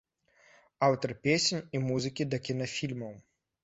Аўтар песень і музыкі да кінафільмаў.